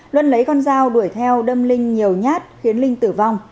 luân lấy con dao đuổi theo đâm linh nhiều nhát khiến linh tử vong